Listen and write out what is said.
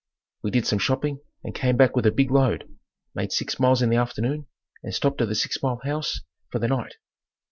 We did some shopping and came back with a big load; made six miles in the afternoon and stopped at the six mile house for the night.